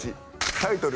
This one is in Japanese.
タイトル